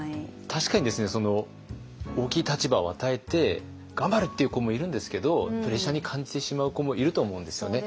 確かにですね大きい立場を与えて頑張るっていう子もいるんですけどプレッシャーに感じてしまう子もいると思うんですよね。